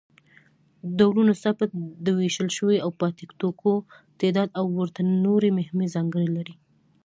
ډولونوثبت، د ویشل شویو او پاتې توکو تعداد او ورته نورې مهمې ځانګړنې لري.